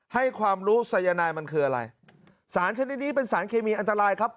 ให้ความรู้สายนายมันคืออะไรสารชนิดนี้เป็นสารเคมีอันตรายครับ